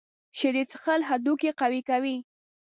شیدې څښل هډوکي قوي کوي.